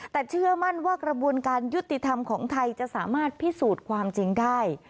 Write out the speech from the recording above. แต่เชื่อมั่นว่ากระบวนการยุติธรรมของไทยจะสามารถพิสูจน์ความจริงได้